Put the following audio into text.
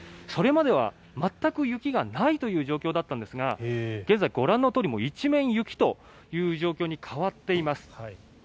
それまでは全く雪がないという状況だったんですが現在、ご覧のとおり一面雪という状況に変わっています。